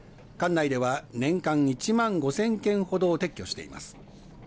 管内では年間１万５０００件ほどを撤去しています。